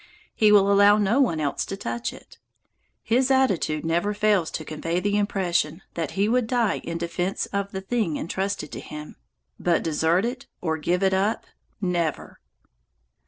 He will allow no one else to touch it. His attitude never fails to convey the impression that he would die in defense of the thing intrusted to him, but desert it or give it up, never!